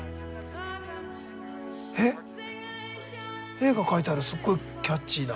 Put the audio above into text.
絵が描いてあるすごいキャッチーな。